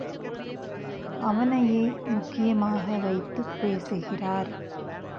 அவனையே முக்கியமாக வைத்துப் பேசுகிறார்.